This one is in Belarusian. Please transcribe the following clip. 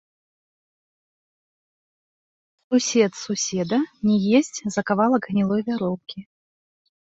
Сусед суседа не есць за кавалак гнілой вяроўкі.